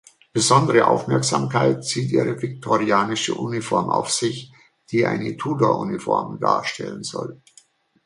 Besondere Aufmerksamkeit zieht ihre viktorianische Uniform auf sich, die eine Tudor-Uniform darstellen soll.